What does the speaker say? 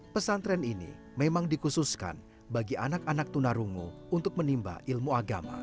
pesantren ini memang dikhususkan bagi anak anak tunarungu untuk menimba ilmu agama